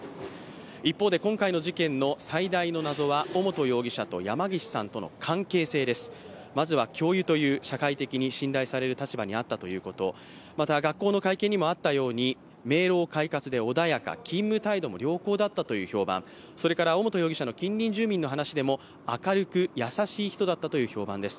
一方で今回の事件の最大の謎は尾本容疑者と山岸さんとの関係性です、まずは教諭という社会的に信頼される立場にあったということまた、学校の会見にもあったように明朗快活で穏やか、勤務態度も良好だったという評判尾本容疑者の近隣住民の話でも明るく、優しい人だったという評判です。